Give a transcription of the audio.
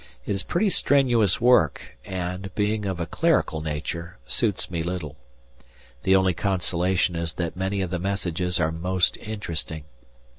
It is pretty strenuous work and, being of a clerical nature, suits me little. The only consolation is that many of the messages are most interesting.